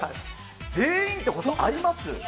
全員ってことあります？